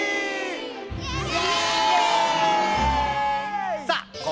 イエーイ！